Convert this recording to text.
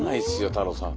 太郎さん。